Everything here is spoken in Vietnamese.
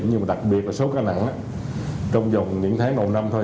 nhưng mà đặc biệt là số ca nặng trong dòng những tháng đầu năm thôi